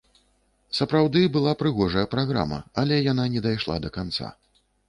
Сапраўды, была прыгожая праграма, але яна не дайшла да канца.